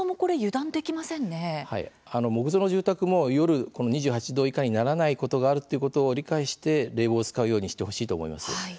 木造の住宅も夜、２８度以下にならないことがあるということを理解して冷房を使うようにしてほしいと思います。